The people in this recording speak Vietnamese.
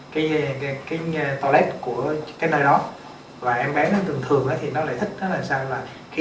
cái cái cái cái toilet của cái nơi đó và em bé nó cường thường đó thì nó lại thích đó là sao là khi